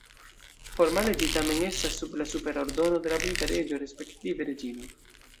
Formale ĝi tamen estas sub la supera ordono de la brita reĝo respektive reĝino.